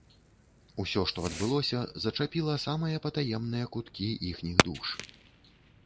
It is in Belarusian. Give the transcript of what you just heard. Усё, што адбылося, зачапіла самыя патаемныя куткі іхніх душ.